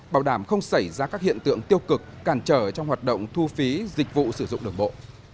bảo đảm không xảy ra các hiện tượng tiêu cực cản trở trong hoạt động thu phí dịch vụ sử dụng đường bộ